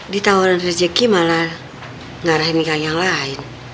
ditawaran rejeki malah ngarahin ke yang lain